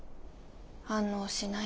反応しない。